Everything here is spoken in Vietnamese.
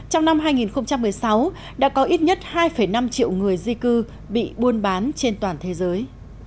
trong năm hai nghìn một mươi sáu đã có ít nhất hai năm triệu người di cư bị buôn bán trên toàn thế giới